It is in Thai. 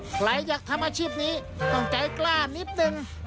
ใครอยากทำอาชีพนี้ต้องใจกล้านิดนึง